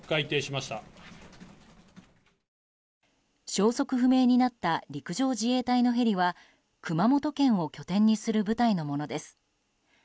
消息不明になった陸上自衛隊のヘリは熊本県を拠点にする部隊のものです。